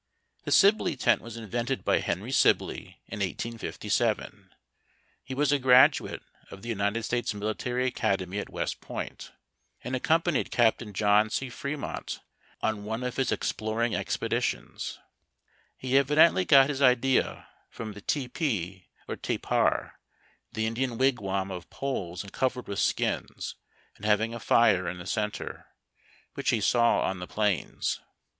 The Sibley tent was invented by Henry Sibley, in 1857. He was a graduate of the United States military academy at West Point, and acconii^anied Capt. John C. Fremont on now THE SOLDIERS WERE SHELTERED. 47 one of his exploring expeditions. He evidently got his idea from the Tepee or Tepar., — the Indian wigwam, of poles covered with skins, and having a fire in the centre, — which he saw on the plains.